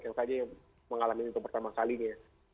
yang saja yang mengalami itu pertama kali ini